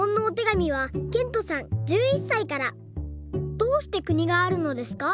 「どうして国があるのですか？